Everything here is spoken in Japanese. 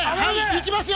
行きますよ。